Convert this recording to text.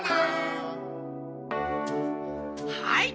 はい！